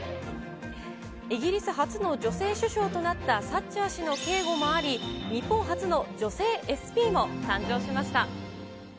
イギリス初の女性首相となったサッチャー氏の警護もあり、日本初の女性ＳＰも誕生しました。